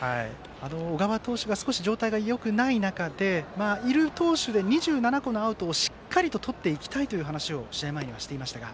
小川投手が少し状態がよくない中でいる投手で２７個のアウトをしっかりとっていきたいという話を試合前にしていましたが。